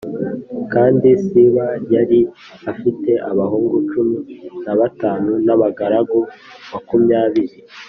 Kandi Siba yari afite abahungu cumi na batanu n’abagaragu makumyabiri.